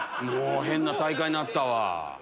変な大会になったわ。